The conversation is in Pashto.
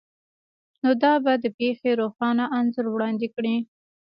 نو دا به د پیښې روښانه انځور وړاندې کړي